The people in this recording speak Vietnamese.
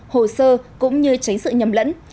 hồ sơ cũng như tránh sự nhầm lẫn